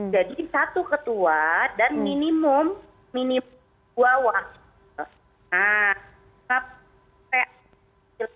jadi satu ketua dan minimum dua wakil